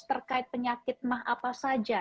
terkait penyakit mah apa saja